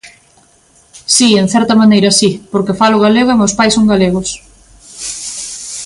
Si, en certa maneira si porque falo galego e meus pais son galegos.